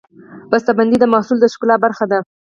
بستهبندي د محصول د ښکلا برخه ده.